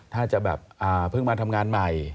ถ้าจะแบบเพิ่งมาทำงานใหม่